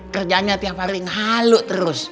kerjanya tiap hari ngalu terus